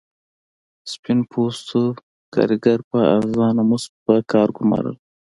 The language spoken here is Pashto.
سپین پوستو کارګر په ارزانه مزد پر کار ګومارل.